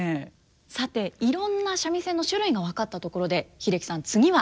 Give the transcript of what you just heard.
さていろんな三味線の種類が分かったところで英樹さん次は？